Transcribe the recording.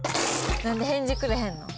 なんで返事くれへんの？